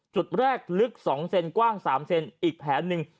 จุดแรกลึก๒เซนกว้าง๓เซนอีกแผลหนึ่ง